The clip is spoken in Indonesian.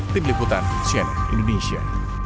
tim liputan siena indonesia